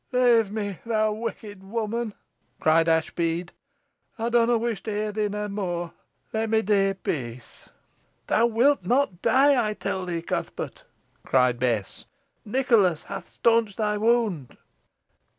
"Leave meh, theaw wicked woman." cried Ashbead; "ey dunna wish to ha' thee near meh. Let meh dee i' peace." "Thou wilt not die, I tell thee, Cuthbert," cried Bess; "Nicholas hath staunched thy wound."